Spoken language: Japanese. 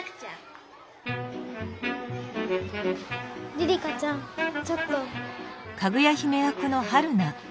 梨々花ちゃんちょっと。